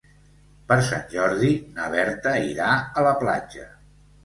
Per Sant Jordi na Berta irà a la platja.